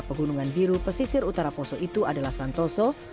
pegunungan biru pesisir utara poso itu adalah santoso